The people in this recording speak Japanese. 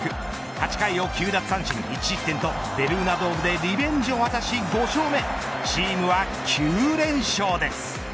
８回を９奪三振１失点とベルーナドームでリベンジを果たし５勝目。